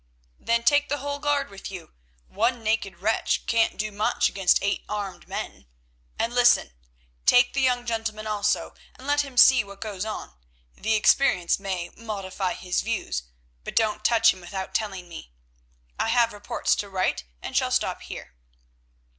"Then take the whole guard with you; one naked wretch can't do much against eight armed men. And, listen; take the young gentleman also, and let him see what goes on; the experience may modify his views, but don't touch him without telling me. I have reports to write, and shall stop here."